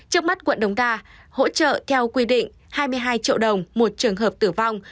trước mắt quận đống đa hỗ trợ theo quy định hai mươi hai triệu đồng một trường hợp tử vong